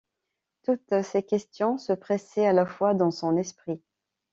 Toutes ces questions se pressaient à la fois dans son esprit.